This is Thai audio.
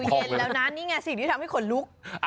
เย็นแล้วนะนี่ไงสิ่งที่ทำให้ขนลุก